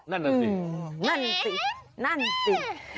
นั่นสิ